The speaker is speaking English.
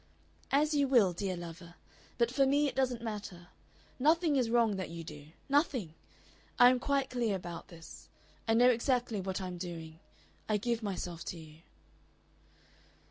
"As you will, dear lover. But for me it doesn't matter. Nothing is wrong that you do. Nothing. I am quite clear about this. I know exactly what I am doing. I give myself to you."